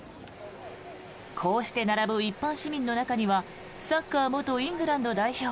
こうして並ぶ一般市民の中にはサッカー元イングランド代表